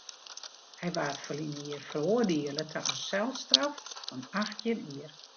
Hy waard ferline jier feroardiele ta in selstraf fan achttjin jier.